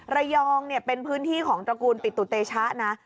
ระยองเป็นพื้นที่ของตระกูลปิตุเตชะนะ